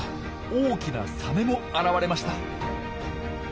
大きなサメも現れました。